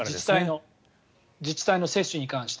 自治体の接種に関して。